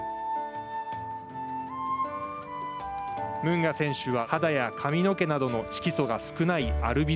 ムンガ選手は肌や髪の毛などの色素が少ないアルビノです。